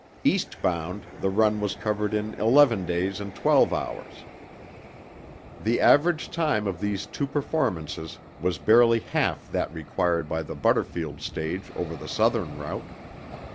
East bound, the run was covered in eleven days and twelve hours. The average time of these two performances was barely half that required by the Butterfield stage over the Southern route.